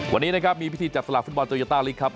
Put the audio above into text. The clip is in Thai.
วันนี้นะครับมีพิธีจับสลากฟุตบอลโตโยต้าลิกครับ